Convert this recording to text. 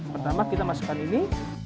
pertama kita masukkan ini